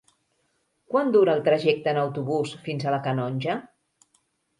Quant dura el trajecte en autobús fins a la Canonja?